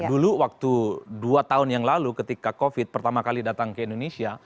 dulu waktu dua tahun yang lalu ketika covid pertama kali datang ke indonesia